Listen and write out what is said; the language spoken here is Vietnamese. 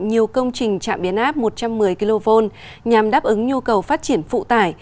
nhiều công trình trạm biến áp một trăm một mươi kv nhằm đáp ứng nhu cầu phát triển phụ tải